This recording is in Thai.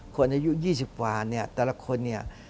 คนอายุ๒๐กว่าแต่ละคน